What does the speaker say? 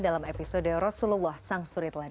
dalam episode rasulullah saw